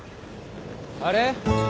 ・あれ？